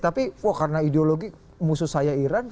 tapi wah karena ideologi musuh saya iran